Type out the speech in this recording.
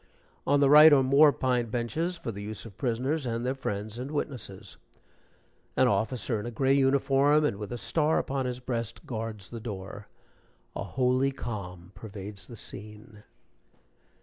On the right are more pine benches, for the use of prisoners, and their friends and witnesses. An officer, in a gray uniform, and with a star upon his breast, guards the door. A holy calm pervades the scene.